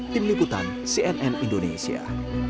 tim liputan cnn indonesia